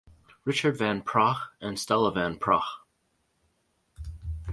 Richard Van Praagh and Stella Van Praagh.